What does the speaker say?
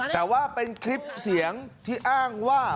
แต่ว่าเป็นคลิปเสียงที่อ้างว่า